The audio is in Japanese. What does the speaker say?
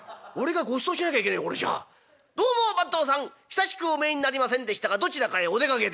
久しくお見えになりませんでしたがどちらかへお出かけで？」。